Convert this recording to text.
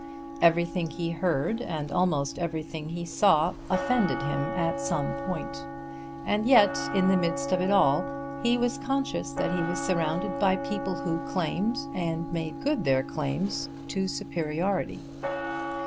Everything he heard and almost everything he saw offended him at some point. And, yet in the midst of it all, he was conscious that he was surrounded by people who claimed and made good their claims to superiority.